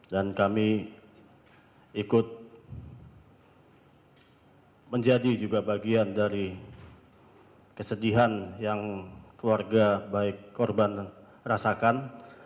kami ikut menjadi juga bagian dari kesedihan yang keluarga baik korban rasakan